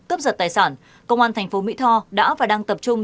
cấp giật tài sản công an tp mỹ tho đã và đang tập trung